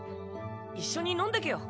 一緒に飲んでけよ。